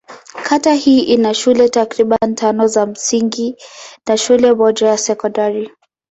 Kata hii ina shule takriban tano za msingi na shule moja ya sekondari.